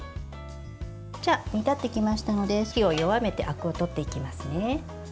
煮立ってきましたので火を弱めてあくをとっていきますね。